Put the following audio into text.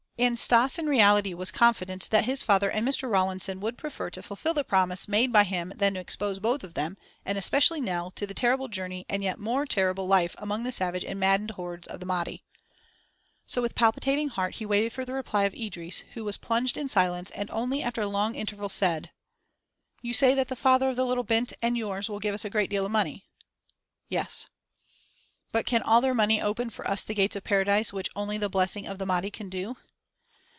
And Stas in reality was confident that his father and Mr. Rawlinson would prefer to fulfil the promise made by him than expose both of them, and especially Nell, to the terrible journey and yet more terrible life among the savage and maddened hordes of the Mahdi. So with palpitating heart, he waited for the reply of Idris who was plunged in silence and only after a long interval said: "You say that the father of the little 'bint' and yours will give us a great deal of money?" "Yes." "But can all their money open for us the gates of paradise which only the blessing of the Mahdi can do?"